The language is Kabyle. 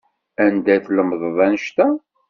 Anda tlemdeḍ annect-a?